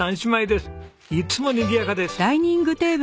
いつもにぎやかです。